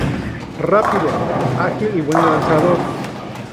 Rápido, ágil y buen lanzador.